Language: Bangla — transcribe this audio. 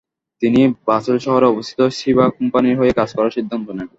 তিনি বাসেল শহরে অবস্থিত সিবা কোম্পানির হয়ে কাজ করার সিদ্ধান্ত নেন।